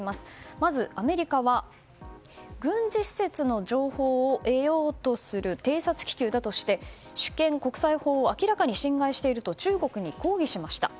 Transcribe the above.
まずアメリカは軍事施設の情報を得ようとする偵察気球だとして主権・国際法を明らかに侵害していると中国に抗議しました。